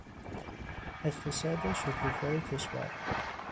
اقتصاد شکوفای کشور